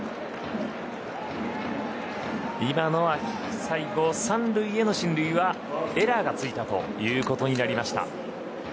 今のは最後３塁への進塁はエラーがついたということになりました。